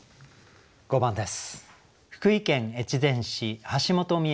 ５番です。